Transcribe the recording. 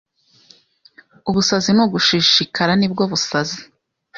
ubusazi ni ugushishikara nibwo busazi?